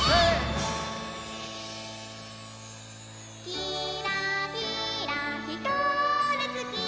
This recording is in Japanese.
「きらきらひかるつき